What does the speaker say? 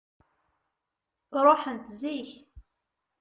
Ruḥent zik.